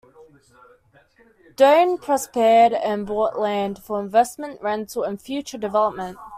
Duane prospered and bought land for investment, rental, and future development.